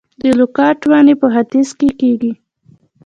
د لوکاټ ونې په ختیځ کې کیږي؟